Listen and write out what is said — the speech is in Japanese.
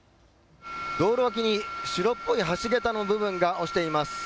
道路脇に白っぽい橋桁の部分が落ちています。